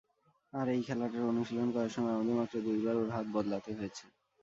আর এই খেলাটার অনুশীলন করার সময় আমাদের মাত্র দুইবার ওর হাত বদলাতে হয়েছে।